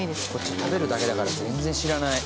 食べるだけだから全然知らない。